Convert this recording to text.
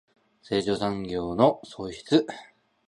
成長産業の創出